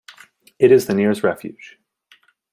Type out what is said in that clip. It is the nearest refuge.